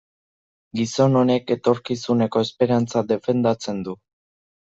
Gizon honek etorkizuneko esperantza defendatzen du.